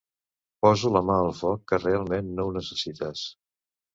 Poso la mà al foc que realment no ho necessites.